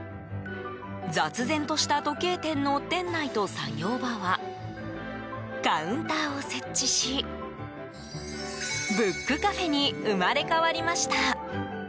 雑然とした時計店の店内と作業場はカウンターを設置しブックカフェに生まれ変わりました。